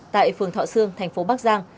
tại phường thọ sương thành phố bắc giang